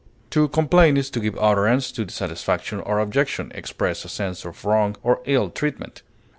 To complain is to give utterance to dissatisfaction or objection, express a sense of wrong or ill treatment.